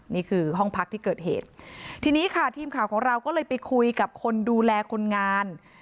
นี่คือห้องพักที่เกิดเหตุทีนี้ค่ะทีมข่าวของเราก็เลยไปคุยกับคนดูแลคนงาน